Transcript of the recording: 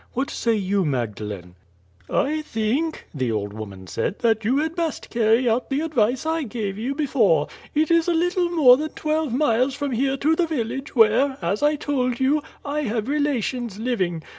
What say you, Magdalene?" "I think," the old woman said, "that you had best carry out the advice I gave before. It is a little more than twelve miles from here to the village where, as I told you, I have relations living.